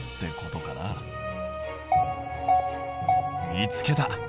見つけた。